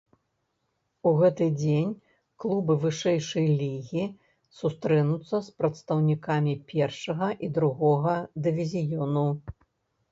У гэты дзень клубы вышэйшай лігі сустрэнуцца з прадстаўнікамі першага і другога дывізіёну.